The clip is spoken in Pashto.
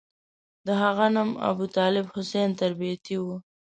د هغه نوم ابوطالب حسین تربتي وو.